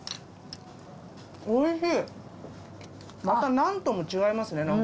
またナンとも違いますね